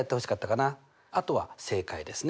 あとは正解ですね。